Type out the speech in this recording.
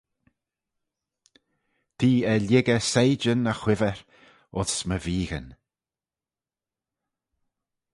T'eh er lhiggey sideyn e whiver ayns my veeghyn.